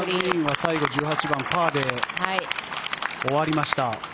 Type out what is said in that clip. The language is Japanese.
最後は１８番はパーで終わりました。